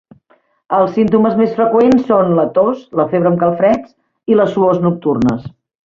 Els símptomes més freqüents són la tos, la febre amb calfreds i les suors nocturnes.